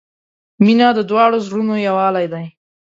• مینه د دواړو زړونو یووالی دی.